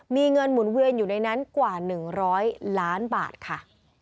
มีเงินหมุนเวียนอยู่ในนั้นกว่า๑๐๐ล้านบาทค่ะ